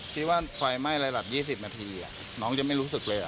ที่ว่าไฟไหม้ระดับ๒๐นาทีน้องจะไม่รู้สึกเลย